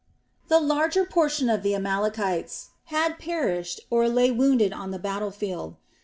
The larger portion of the Amalekites had perished or lay wounded on the battle field.